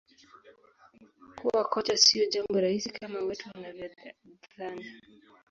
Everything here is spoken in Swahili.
kuwa kocha sio jambo rahisi kama watu wanavyodhani